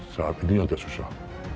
saat ini agak susah